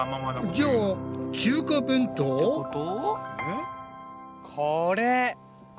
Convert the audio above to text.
じゃあ中華弁当？ってこと？